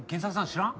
知らん？